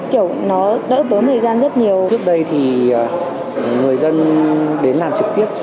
kiểu nó đỡ tốn thời gian rất nhiều